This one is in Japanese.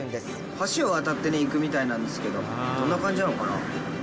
橋を渡って行くみたいなんですけどどんな感じなのかな。